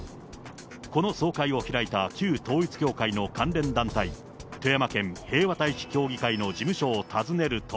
この総会を開いた旧統一教会の関連団体、富山県平和大使協議会の事務所を訪ねると。